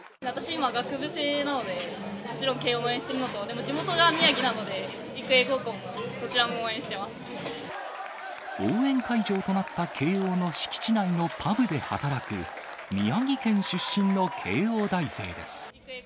今、学部生なので、もちろん慶応を応援してるんですけど、地元が宮城なので、育英高応援会場となった慶応の敷地内のパブで働く宮城県出身の慶応大生です。